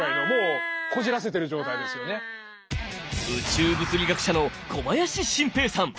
宇宙物理学者の小林晋平さん。